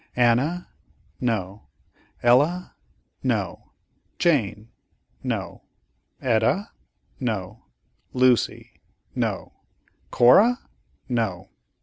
"Anna?" "No." "Ella?" "No?" "Jane?" "No." "Etta?" "No." "Lucy?" "No." "Cora?" "No."